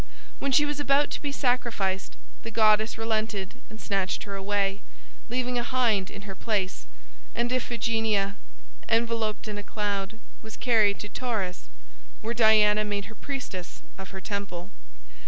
When she was about to be sacrificed the goddess relented and snatched her away, leaving a hind in her place, and Iphigenia, enveloped in a cloud, was carried to Tauris, where Diana made her priestess of her temple.